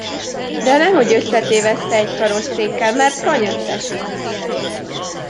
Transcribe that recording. De nehogy összetévessze egy karosszékkel, mert hanyatt esik.